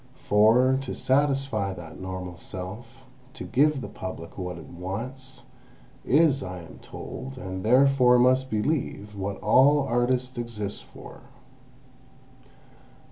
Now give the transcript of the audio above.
For, to satisfy that normal self, to give the Public what it wants, is, I am told, and therefore must believe, what all artists exist for.